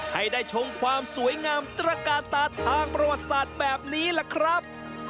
ให้ได้ชมความสวยงามตระกาลตาทางประวัติศาสตร์แบบนี้ล่ะครับ